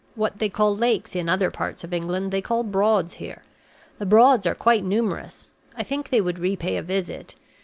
What they call lakes in other parts of England, they call Broads here. The Broads are quite numerous; I think they would repay a visit.